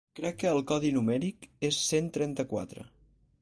Crec que el codi numèric és cent trenta-quatre.